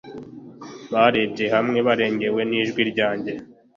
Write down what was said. barebye hamwe barengewe nijwi ryanjye